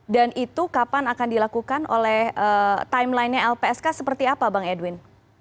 dan itu kapan akan dilakukan oleh timeline nya lpsk seperti apa bang edwin